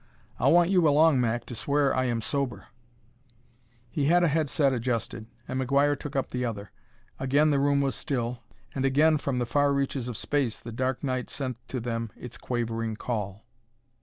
I'll want you along, Mac, to swear I am sober." He had a head set adjusted, and McGuire took up the other. Again the room was still, and again from the far reaches of space the dark night sent to them its quavering call.